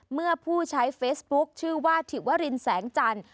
เมื่อผู้ใช้เฟซบุ๊คชื่อว่าถิวรินแสงจันทร์